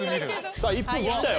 さあ１分切ったよ。